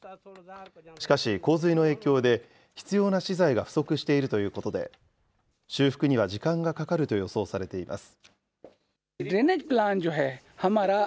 しかし、洪水の影響で、必要な資材が不足しているということで、修復には時間がかかると予想されています。